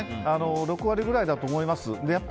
６割くらいだと思います。